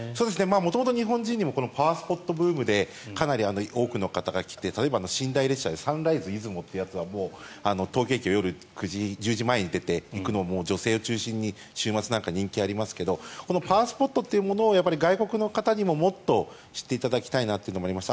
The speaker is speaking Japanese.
元々、日本人にもパワースポットブームでかなり多くの方が来て例えば、寝台列車でサンライズ出雲とか東京駅を夜１０時前に出ていくのも女性を中心に週末なんか人気がありますがパワースポットというものを外国の方にももっと知っていただきたいなというのもあります。